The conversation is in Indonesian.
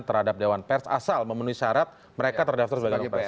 terhadap dewan pers asal memenuhi syarat mereka terdaftar sebagai capres